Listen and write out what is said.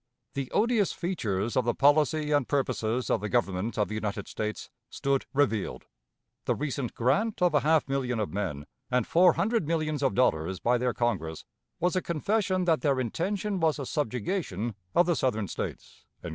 "The odious features of the policy and purposes of the Government of the United States stood revealed; the recent grant of a half million of men and four hundred millions of dollars by their Congress, was a confession that their intention was a subjugation of the Southern States."